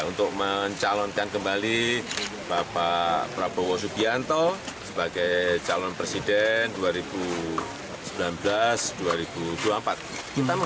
untuk mencalonkan kembali bapak prabowo subianto sebagai calon presiden dua ribu sembilan belas dua ribu dua puluh empat